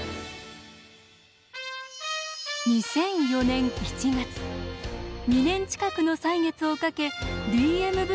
２００４年１月２年近くの歳月をかけＤＭＶが完成。